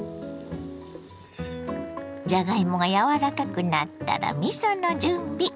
じゃがいもが柔らかくなったらみその準備。